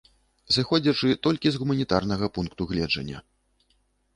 Сыходзячы толькі з гуманітарнага пункту гледжання.